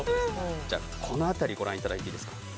じゃあ、この辺りご覧いただいていいですか。